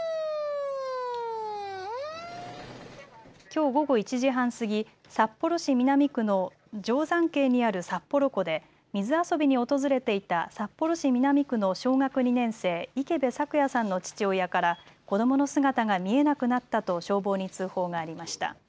きょう午後１時半過ぎ、札幌市南区の定山渓にあるさっぽろ湖で水遊びに訪れていた札幌市南区の小学２年生、池邉朔矢さんの父親から、子どもの姿が見えなくなったと消防に通報がありました。